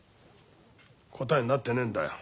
答えになってねえんだよ。